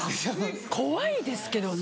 怖いですけどね。